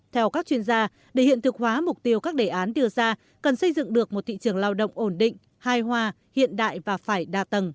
theo các chuyên gia để hiện thực hóa mục tiêu các đề án đưa ra cần xây dựng được một thị trường lao động ổn định hai hoa hiện đại và phải đa tầng